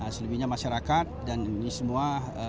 selebihnya masyarakat dan ini semua